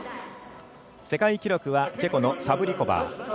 世界記録はチェコのサブリコバー。